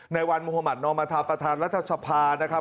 ในวันมหมาตย์นนรัฐสภานะครับ